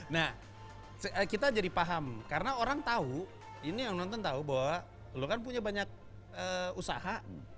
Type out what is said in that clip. nah kita jadi paham karena orang tahu ini yang nonton tahu bahwa lo kan punya banyak usaha